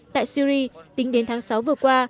tại syria tính đến tháng sáu vừa qua